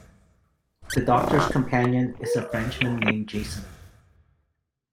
The Doctor's companion is a Frenchman named Jason.